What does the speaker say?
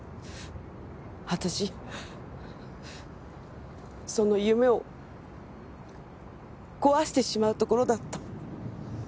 私その夢を壊してしまうところだった。